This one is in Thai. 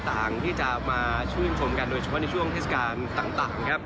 ต่างที่จะมาชื่นชมกันโดยเฉพาะในช่วงเทศกาลต่างนะครับ